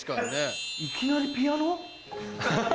いきなりピアノ？